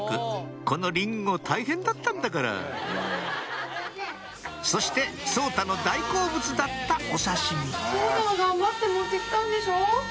このリンゴ大変だったんだからそして颯太の大好物だったお刺身颯太が頑張って持って来たんでしょ？